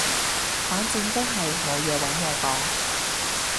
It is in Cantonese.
反正都係冇嘢揾嘢講